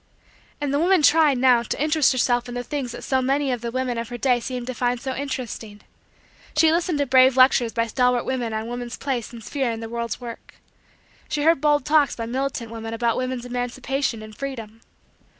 And the woman tried, now, to interest herself in the things that so many of the women of her day seemed to find so interesting. She listened to brave lectures by stalwart women on woman's place and sphere in the world's work. She heard bold talks by militant women about woman's emancipation and freedom.